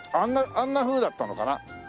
あんなふうだったのかな？